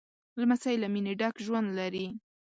لمسی له مینې ډک ژوند لري.